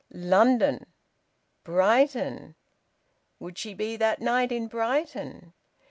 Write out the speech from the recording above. London! Brighton! Would she be that night in Brighton?